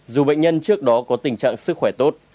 dù bệnh nhân trước đó có tình trạng sức khỏe tốt